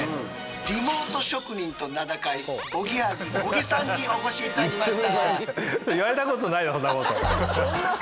リモート職人と名高いおぎやはぎ小木さんにお越し頂きました。